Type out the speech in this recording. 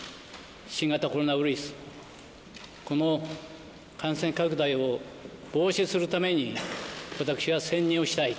新型コロナウイルス、この感染拡大を防止するために、私は専念をしたい。